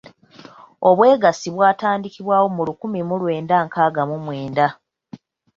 Obwegassi bwatandikibwawo mu lukumi mu lwenda nkaaga mu mwenda.